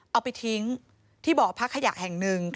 เอาไปทิ้งที่บ่อพักขยะแห่งหนึ่ง